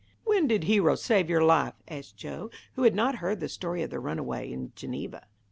"When did Hero save your life?" asked Joe, who had not heard the story of the runaway in Geneva.